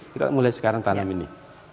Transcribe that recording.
kita mulai sekarang tanam ini